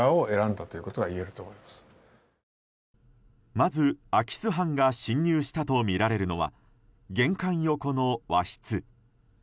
まず空き巣犯が侵入したとみられるのは玄関横の和室。